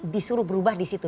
disuruh berubah di situ